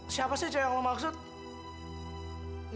siapa itu yang kamu maksudkan